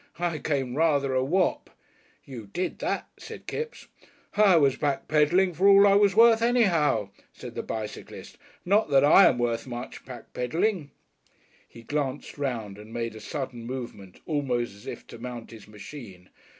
I came rather a whop." "You did that," said Kipps. "I was back pedalling for all I was worth anyhow," said the bicyclist. "Not that I am worth much back pedalling." He glanced round and made a sudden movement almost as if to mount his machine.